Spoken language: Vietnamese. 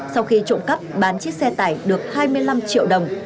sau khi trộm cắp bán chiếc xe tải được hai mươi năm triệu đồng